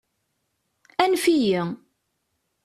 Anef-iyi!